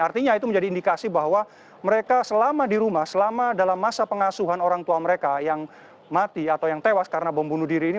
artinya itu menjadi indikasi bahwa mereka selama di rumah selama dalam masa pengasuhan orang tua mereka yang mati atau yang tewas karena bom bunuh diri ini